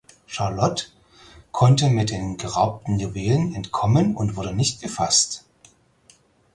Charlot konnte mit den geraubten Juwelen entkommen und wurde nicht gefasst.